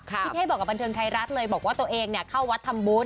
พี่เท่บอกกับบันเทิงไทยรัฐเลยบอกว่าตัวเองเข้าวัดทำบุญ